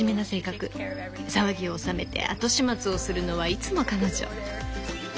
騒ぎを収めて後始末をするのはいつも彼女。